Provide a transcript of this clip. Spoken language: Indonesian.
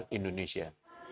dari luar indonesia